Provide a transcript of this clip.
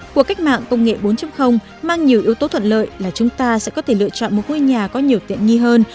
cuộc cách mạng công nghệ bốn mang nhiều yếu tố thuận lợi là chúng ta sẽ có thể lựa chọn một ngôi nhà có nhiều tiện nghi hơn